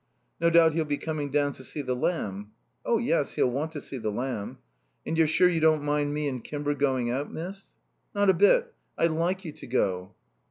"No doubt he'll be coming down to see the lamb." "Oh yes; he'll want to see the lamb." "And you're sure you don't mind me and Kimber going out, miss?" "Not a bit. I like you to go."